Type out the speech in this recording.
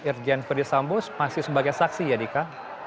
irjen verdi sampo masih sebagai saksi ya dika